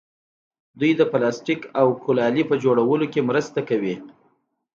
دوی د پلاستیک او ګلالي په جوړولو کې مرسته کوي.